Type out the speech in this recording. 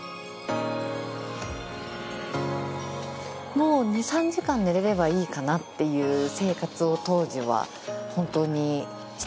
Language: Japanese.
もう２３時間寝れればいいかなっていう生活を当時は本当にしていましたね。